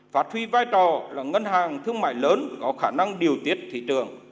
phát huy vai trò là ngân hàng thương mại lớn có khả năng điều tiết thị trường